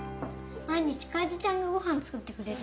毎日楓ちゃんがごはん作ってくれるんだよ。